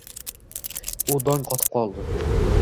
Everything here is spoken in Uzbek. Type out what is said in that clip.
U dong qotib qoldi.